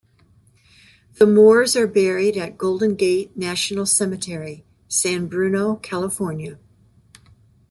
The Moores are buried at Golden Gate National Cemetery, San Bruno, California.